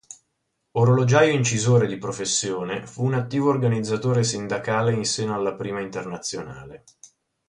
Orologiaio incisore di professione, fu un attivo organizzatore sindacale in seno alla Prima internazionale.